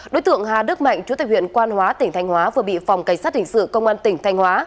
đối tượng hà đức mạnh chủ tịch huyện quan hóa tỉnh thanh hóa vừa bị phòng cảnh sát hình sự công an tỉnh thanh hóa